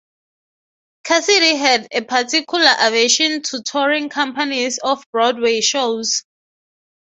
Cassidy had a particular aversion to touring companies of Broadway shows.